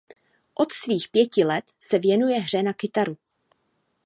Od svých pěti let se věnuje hře na kytaru.